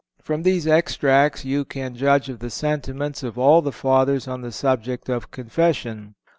From these extracts you can judge of the sentiments of all the Fathers on the subject of Confession.